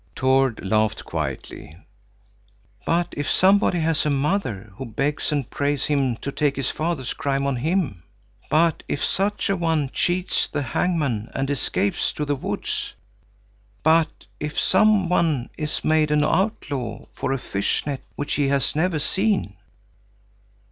Tord laughed quietly. "But if somebody has a mother who begs and prays him to take his father's crime on him. But if such a one cheats the hangman and escapes to the woods. But if some one is made an outlaw for a fish net which he has never seen."